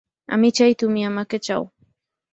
আমি চাই তুমি আমাকে চাও।